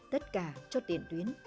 tất cả cho tiền tuyến